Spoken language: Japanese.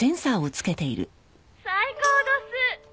「最高どす」